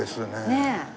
ねえ。